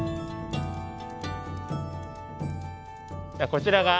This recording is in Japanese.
こちらが。